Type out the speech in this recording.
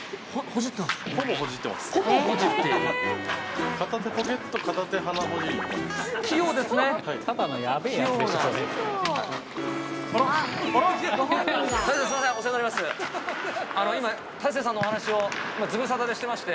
ほぼほじってます。